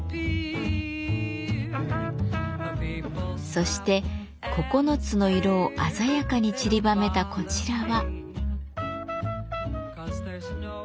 そして９つの色を鮮やかにちりばめたこちらは。